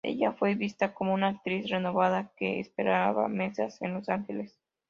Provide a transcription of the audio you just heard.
Ella fue vista como una actriz renovada que esperaba mesas en Los Ángeles.